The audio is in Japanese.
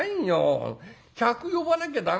客呼ばなきゃ駄目だ」。